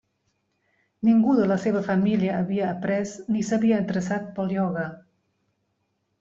Ningú de la seva família havia après ni s'havia interessat pel ioga.